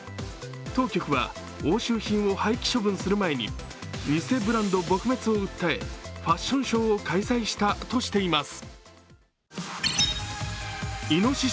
当局は押収品を廃棄処分する前に偽ブランド撲滅を訴えファッションショーを開催したとしています。